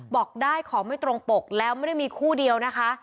บอกได้ของไม่ตรงปกแล้วไม่ได้มีคู่เดียวนะคะ